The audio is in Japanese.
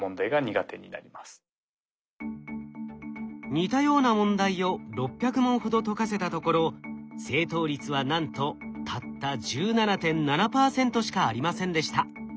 似たような問題を６００問ほど解かせたところ正答率はなんとたった１７．７％しかありませんでした。